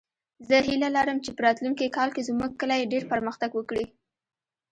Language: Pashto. زه هیله لرم چې په راتلونکې کال کې زموږ کلی ډېر پرمختګ وکړي